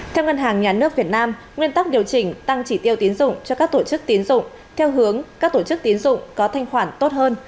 theo ngân hàng nhà nước việt nam nguyên tắc điều chỉnh tăng trị tiêu tín dụng cho các tổ chức tín dụng theo hướng các tổ chức tín dụng có thanh khoản tốt hơn